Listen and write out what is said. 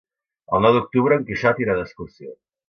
El nou d'octubre en Quixot irà d'excursió.